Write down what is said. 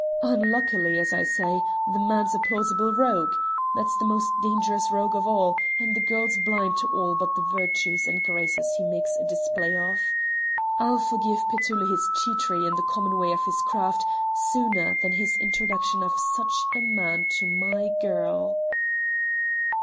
Unluckily, as I say, the man's a plausible rogue: that's the most dangerous rogue of all, and the girl's blind to all but the virtues and graces he makes a display of. I'll forgive Petullo his cheatry in the common way of his craft sooner than his introduction of such a man to my girl."